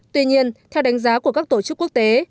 tuy nhiên theo đánh giá của các tổ chức quốc tế